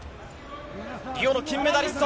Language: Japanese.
リオの金メダリスト。